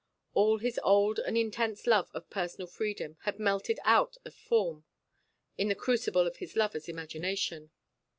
All his old and intense love of personal freedom had melted out of form in the crucible of his lover's imagination.